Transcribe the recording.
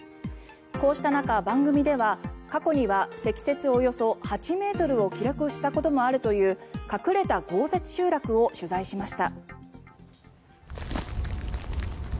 こうした中、番組では過去には積雪およそ８ｍを記録したこともあるという隠れた豪雪集落を取材しました。